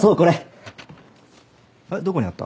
どこにあった？